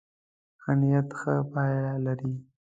ښه نيت ښه پایله لري.